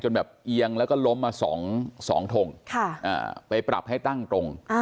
แบบเอียงแล้วก็ล้มมา๒ทงไปปรับให้ตั้งตรง